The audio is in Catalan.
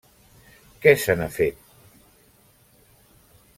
Què se n'ha fet?